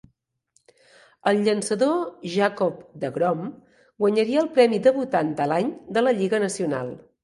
El llançador Jacob deGrom guanyaria el premi Debutant de l'any de la Lliga Nacional.